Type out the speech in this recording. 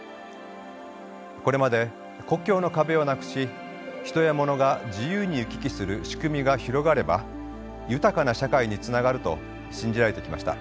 これまで国境の壁をなくし人やものが自由に行き来する仕組みが広がれば豊かな社会につながると信じられてきました。